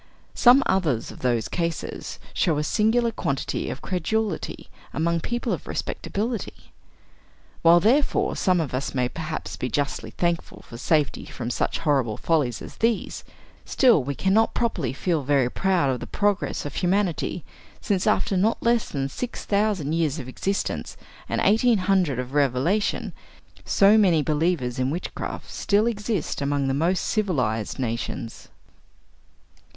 Some others of those cases show a singular quantity of credulity among people of respectability. While therefore some of us may perhaps be justly thankful for safety from such horrible follies as these, still we can not properly feel very proud of the progress of humanity, since after not less than six thousand years of existence and eighteen hundred of revelation, so many believers in witchcraft still exist among the most civilized nations.